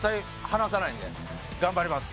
頑張ります